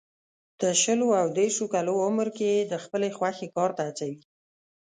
د شلو او دېرشو کالو عمر کې یې د خپلې خوښې کار ته هڅوي.